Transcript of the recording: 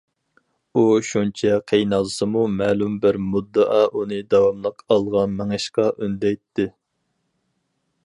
ئۇ شۇنچە قىينالسىمۇ مەلۇم بىر مۇددىئا ئۇنى داۋاملىق ئالغا مېڭىشقا ئۈندەيتتى.